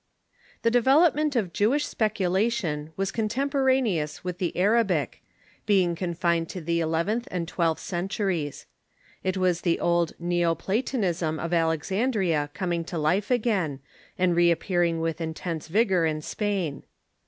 ] The development of Jewish speculation was contempora neous with the Arabic, being confined to the eleventh and twelfth centuries. It was the old neo Platonism of Alexan dria coming to life again, and reappearing with intense vigor in Spain.